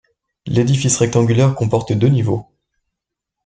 L’édifice rectangulaire comporte deux niveaux.